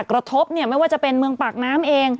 กระทบเนี่ยไม่ว่าจะเป็นเมืองปากน้ำเอง